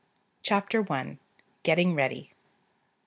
CHAPTER I. GETTING READY.